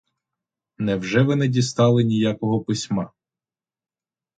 Невже ви не дістали ніякого письма?